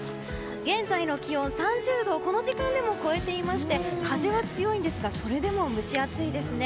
現在の気温３０度をこの時間でも超えていまして風は強いんですがそれでも蒸し暑いですね。